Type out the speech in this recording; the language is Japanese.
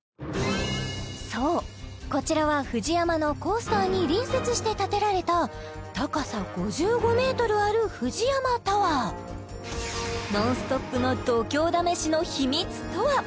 そうこちらはＦＵＪＩＹＡＭＡのコースターに隣接して建てられた高さ５５ｍあるノンストップの度胸試しの秘密とは？